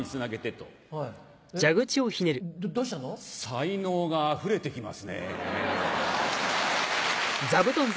才能があふれてきますね。